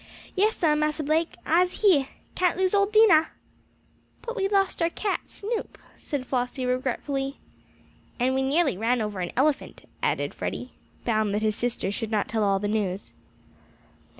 "Yes, sah, Massa Blake, I'se heah! Can't lose ole Dinah!" "But we lost our cat, Snoop!" said Flossie regretfully. "And we nearly ran over an elephant," added Freddie, bound that his sister should not tell all the news.